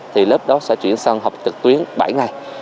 thì lớp đó sẽ chuyển sang học trực tuyến bảy ngày